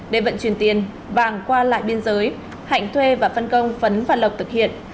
để vận chuyển tiền vàng qua lại biên giới hạnh thuê và phân công phấn và lộc thực hiện